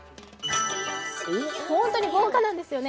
本当に豪華なんですよね。